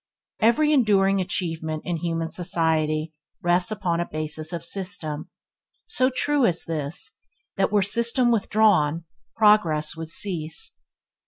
Every enduring achievement in human society rests upon a basis of system; so true is this, that were system withdrawn, progress would cease.